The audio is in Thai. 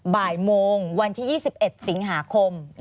บ่ายโมงวันที่๒๑สิงหาคม